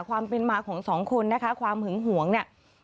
ความเป็นมาของสองคนนะคะความหึงหวงเนี่ย